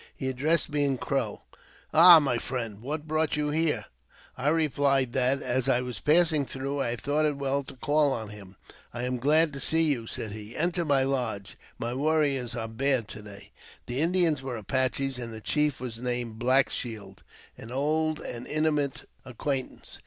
He addressed me in Crow, "Ah! my friend, what "brought you here? " I replied that, as I was passing through, I had thought it well to call on him. "I am glad to see you," said he ;" enter my lodge ; my warriors are bad to day." The Indians were Apaches, and the chief was named Black Shield, an old and intimate acquaintance.